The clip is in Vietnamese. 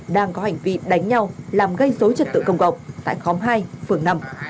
đang có hành vi đánh nhau làm gây dối trật tự công cộng tại khóm hai phường năm